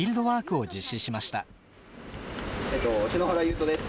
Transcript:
篠原優斗です。